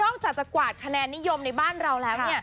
จากจะกวาดคะแนนนิยมในบ้านเราแล้ว